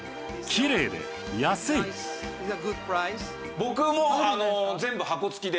僕も。